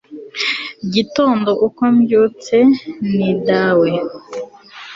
gitondo uko mbyutse, nti dawe